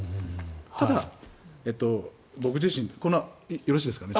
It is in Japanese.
ただ、僕自身これ、よろしいですかね。